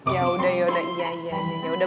yaudah yaudah yaudah